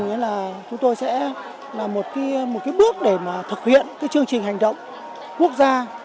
nghĩa là chúng tôi sẽ là một cái bước để mà thực hiện cái chương trình hành động quốc gia